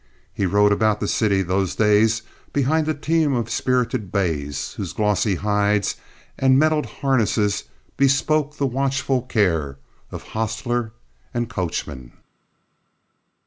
He rode about the city those days behind a team of spirited bays, whose glossy hides and metaled harness bespoke the watchful care of hostler and coachman.